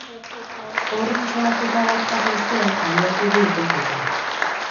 Horren salaketa bat jaso ostean abiatu du ikerketa.